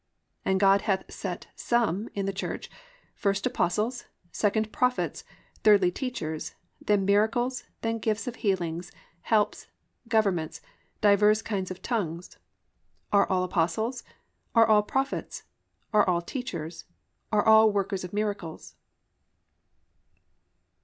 ... (28) And God hath set some in the church, first apostles, secondly prophets, thirdly teachers, then miracles, then gifts of healings, helps, governments, divers kinds of tongues. (29) Are all apostles? are all prophets? are all teachers? are all workers of miracles?